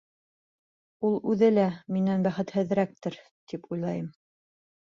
Ул үҙе лә минән бәхетһеҙерәктер, тип уйлайым.